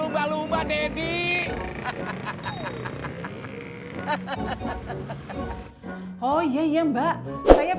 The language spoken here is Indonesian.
kamu gak puasa ya